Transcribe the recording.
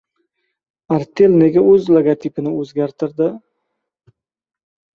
Artel nega o‘z logotipini o‘zgartirdi?